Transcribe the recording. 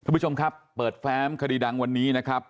คุณผู้ชมครับเปิดแฟ้มคดีดังวันนี้นะครับ